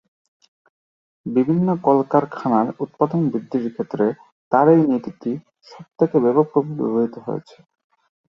বিভিন্ন কল-কারখানার উৎপাদন বৃদ্ধির ক্ষেত্রে তার এই নীতিটি সব থেকে ব্যাপক ভাবে ব্যবহৃত হচ্ছে।